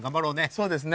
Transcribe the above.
そうですね。